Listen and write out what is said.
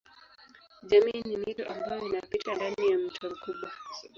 Jamii ni mito ambayo inapita ndani ya mto mkubwa.